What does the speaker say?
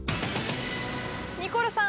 ニコルさん